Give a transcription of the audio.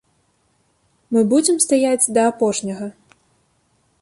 Мы будзем стаяць да апошняга.